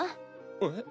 えっ？